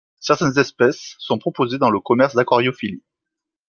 Certains espèces sont proposées dans les commerces d'aquariophilie.